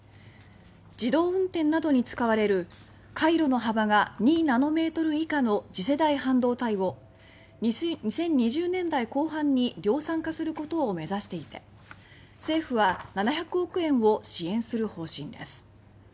自動運転などに使われる回路の幅が２ナノメートル以下の次世代半導体を２０２０年代後半に量産化することを目指していて政府は７００億円を支援する方針です。